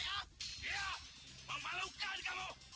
ya memalukan kamu